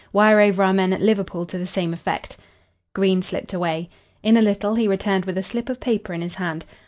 Wire over our men at Liverpool to the same effect." Green slipped away. In a little he returned with a slip of paper in his hand.